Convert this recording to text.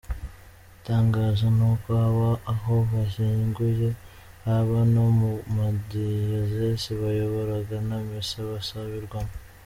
Igitangaza n’uko haba aho bashyinguye, haba no mu madiyosezi bayoboraga nta misa basabirwamo.